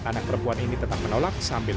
anak perempuan ini tetap menolak sambil